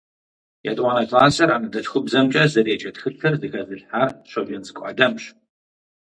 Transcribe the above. Етӏуанэ классыр анэдэлъхубзэмкӏэ зэреджэ тхылъыр зэхэзылъхьар Щоджэнцӏыкӏу Адэмщ.